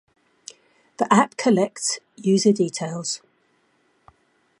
The app collects user details